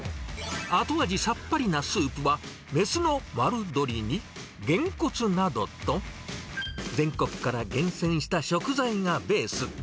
後味さっぱりなスープは、雌の丸鶏にげんこつなどと全国から厳選した食材がベース。